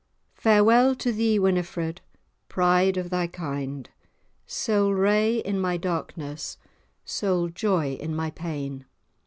"Farewell to thee, Winifred, pride of thy kind, Sole ray in my darkness, sole joy in my pain."